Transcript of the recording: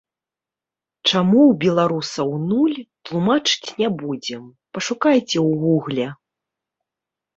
Чаму ў беларусаў нуль, тлумачыць не будзем, пашукайце ў гугле.